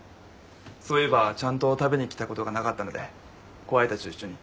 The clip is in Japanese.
そういえばちゃんと食べに来たことがなかったので後輩たちと一緒に。